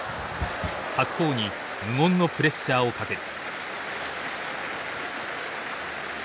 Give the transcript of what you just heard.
白鵬に無言のプレッシャーをかける。